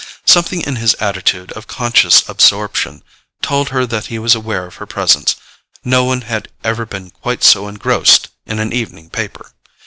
Something in his attitude of conscious absorption told her that he was aware of her presence: no one had ever been quite so engrossed in an evening paper!